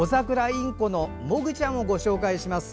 インコのもぐちゃんをご紹介します。